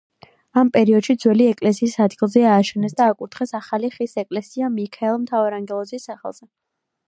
ამ პერიოდში ძველი ეკლესიის ადგილზე ააშენეს და აკურთხეს ახალი ხის ეკლესია მიქაელ მთავარანგელოზის სახელზე.